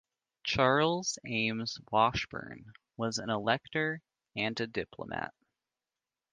Charles Ames Washburn was an elector and a diplomat.